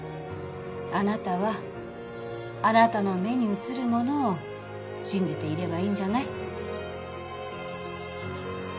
あなたはあなたの目に映るものを信じていればいいんじゃない？